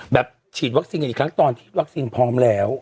ฉีดวัคซีนกันอีกครั้งตอนที่วัคซีนพร้อมแล้ว